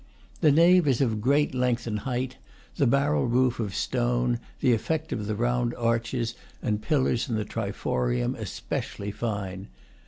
The nave is of great length and height, the barrel roof of stone, the effect of the round arches and pillars in the triforium especially fine.